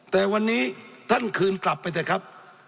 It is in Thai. แต่วันนี้ท่านคืนกลับไปเถอะครับ